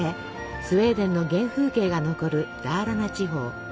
スウェーデンの原風景が残るダーラナ地方。